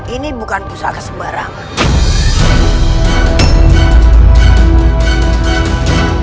ini bukan pusaka sembarangan